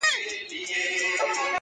زما خوبـونو پــه واوښـتـل.